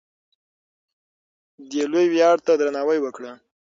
دې لوی ویاړ ته درناوی وکړه.